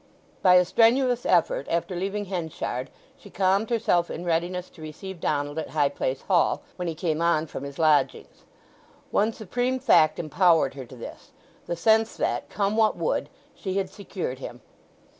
By a strenuous effort, after leaving Henchard she calmed herself in readiness to receive Donald at High Place Hall when he came on from his lodgings. One supreme fact empowered her to this, the sense that, come what would, she had secured him.